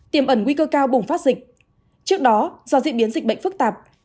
tiềm ẩn nguy cơ cao bùng phát dịch trước đó do diễn biến dịch bệnh phức tạp